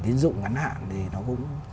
tiến dụng ngắn hạn thì nó cũng